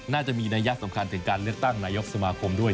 น่าจะมีนัยยะสำคัญถึงการเลือกตั้งนายกสมาคมด้วย